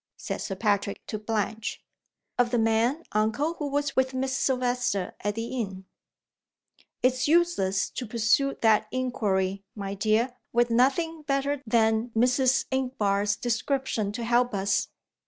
said Sir Patrick to Blanche. "Of the man, uncle, who was with Miss Silvester at the inn." "It's useless to pursue that inquiry, my dear, with nothing better than Mrs. Inchbare's description to help us."